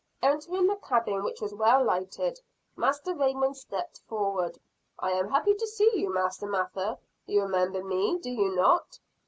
Entering the cabin which was well lighted, Master Raymond stepped forward, "I am happy to see you, Master Mather. You remember me, do you not?"